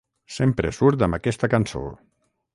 Sempre surt amb aquesta cançó!